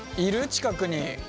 近くに。